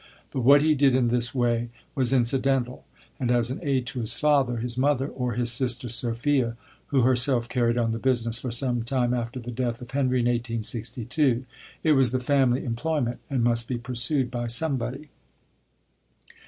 But what he did in this way was incidental, and as an aid to his father, his mother, or his sister Sophia, who herself carried on the business for some time after the death of Henry in 1862. It was the family employment, and must be pursued by somebody.